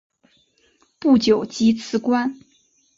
不久即辞官。